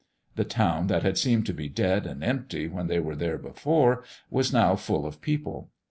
The town that had seemed to be dead and empty when they were there before, was now full of people.